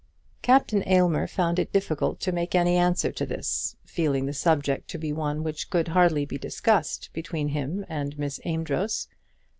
Captain Aylmer found it difficult to make any answer to this, feeling the subject to be one which could hardly be discussed between him and Miss Amedroz.